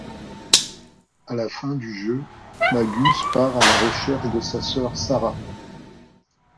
À la fin du jeu, Magus part à la recherche de sa sœur, Sarah.